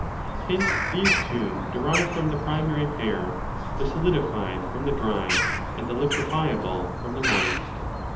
Hence these too derive from the primary pair, the 'solidified' from the dry and the 'liquefiable' from the moist.